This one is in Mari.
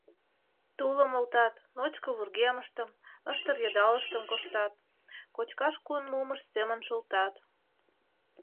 Тулым олтат, ночко вургемыштым, ыштыр-йыдалыштым коштат, кочкаш кун мумышт семын шолтат.